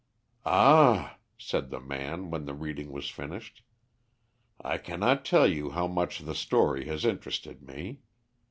"Ah," said the man, when the reading was finished, "I cannot tell you how much the story has interested me.